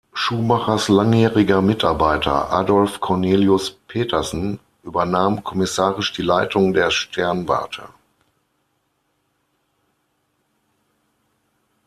Schumachers langjähriger Mitarbeiter Adolph Cornelius Petersen übernahm kommissarisch die Leitung der Sternwarte.